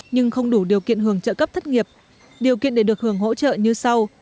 nhưng không đủ điều kiện hưởng trợ cấp thất nghiệp điều kiện để được hưởng hỗ trợ như sau